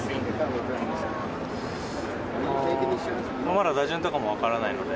まだ打順とかも分からないので。